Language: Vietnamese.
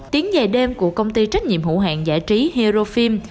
tiếng dài đêm của công ty trách nhiệm hữu hạn giải trí hero film